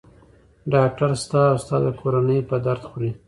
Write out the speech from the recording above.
ډاکټر ستا او ستا د کورنۍ په درد خوري.